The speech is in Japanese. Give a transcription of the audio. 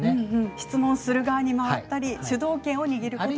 質問する側には回ったり主導権を握ったり。